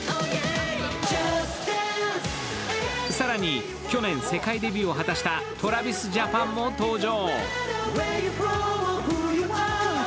更に去年、世界デビューを果たしたＴｒａｖｉｓＪａｐａｎも登場。